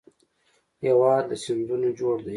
هېواد له سیندونو جوړ دی